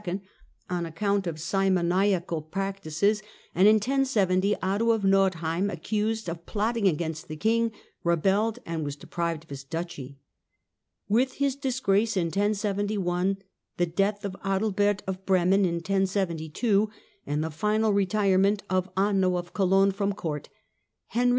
on account of simoniacal practices, and in 1070 Otto of Nordheim, accused of plotting against the king, rebelled, and was deprived of his duchy. With his disgrace in 1071, the death of Adalbert of Bremen in 1072, and the final retirement of Anno of Cologne from Court, Henry IV.